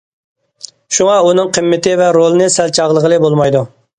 شۇڭا ئۇنىڭ قىممىتى ۋە رولىنى سەل چاغلىغىلى بولمايدۇ.